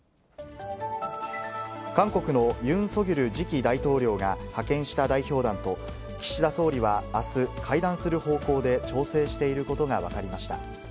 韓国のユン・ソギョル次期大統領が派遣した代表団と岸田総理はあす、会談する方向で調整していることが分かりました。